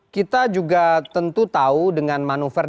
kita juga tentu tahu dengan manuver